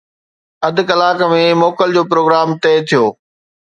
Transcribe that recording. اڌ ڪلاڪ ۾ موڪل جو پروگرام طئي ٿيو